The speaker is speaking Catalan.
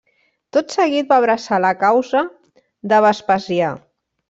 Tot seguit va abraçar la causa de Vespasià.